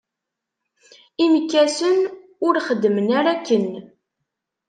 Imekkasen, ur xeddmen ara akken?